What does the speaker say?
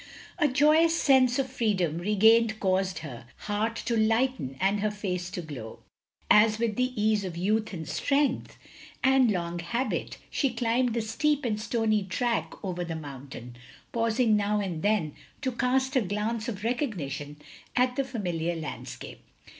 A joyous sense of freedom regained caused her heart to lighten and her face to glow; as with the ease of youth and strength, and long habit, she climbed the steep and stony track over the mountain, pausing now and then to cast a glance of recognition at the familiar landscape.